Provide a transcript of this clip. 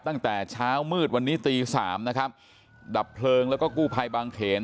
ตั้งแต่เช้ามืดวันนี้ตีสามนะครับดับเพลิงแล้วก็กู้ภัยบางเขน